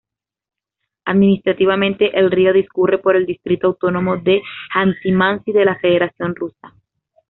Administrativamente, el río discurre por el distrito autónomo de Janti-Mansi de la Federación Rusa.